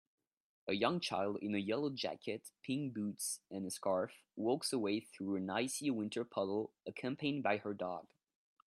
A young child in a yellow jacket pink boots and a scarf walks away through an icy winter puddle accompanied by her dog